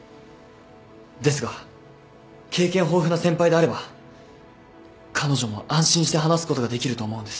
ですが経験豊富な先輩であれば彼女も安心して話すことができると思うんです。